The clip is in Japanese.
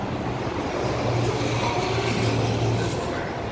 だからもうちょっと考えるべきだと思うんですがね。